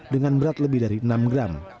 dengan berat lebih dari enam gram